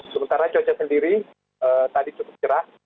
sementara cuaca sendiri tadi cukup cerah